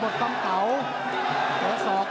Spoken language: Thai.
มันต้องอย่างงี้มันต้องอย่างงี้